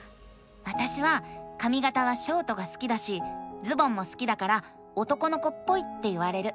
わたしはかみがたはショートが好きだしズボンも好きだから男の子っぽいって言われる。